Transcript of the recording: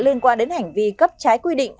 liên quan đến hành vi cấp trái quy định